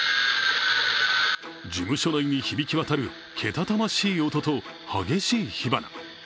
事務所内に響き渡るけたたましい音と、激しい火花。